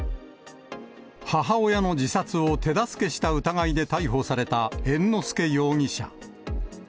母親の自殺を手助けした疑いで逮捕された猿之助容疑者。